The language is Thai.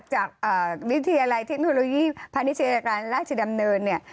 จากวิทยาลัยเทคโนโลยีพาณิชยาการราชดำเนินเนี่ย